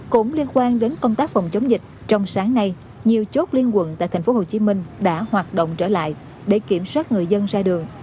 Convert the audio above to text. cũng liên quan đến công tác phòng chống dịch trong sáng nay nhiều chốt liên quận tại tp hcm đã hoạt động trở lại để kiểm soát người dân ra đường